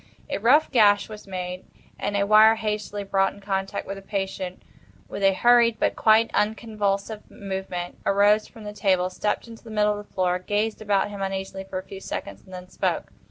A rough gash was made, and a wire hastily brought in contact, when the patient, with a hurried but quite unconvulsive movement, arose from the table, stepped into the middle of the floor, gazed about him uneasily for a few seconds, and then—spoke.